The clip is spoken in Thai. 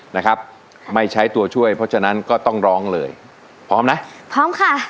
นะครับไม่ใช้ตัวช่วยเพราะฉะนั้นก็ต้องร้องเลยพร้อมนะพร้อมค่ะ